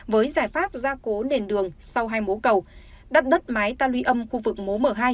với giải pháp ra cố nền đường sau hai mố cầu đắt đất mái ta luy âm khu vực mố m hai